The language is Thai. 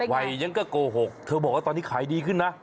วัยยังก็โกหกเธอบอกว่าตอนนี้ขายดีขึ้นนะ